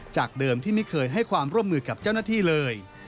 จากเดิมที่ไม่เคยให้ความร่วมมือกับเจ้าหน้าที่เลย